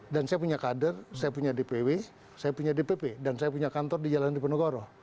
dan saya punya kader saya punya dpw saya punya dpp dan saya punya kantor di jalan diponegoro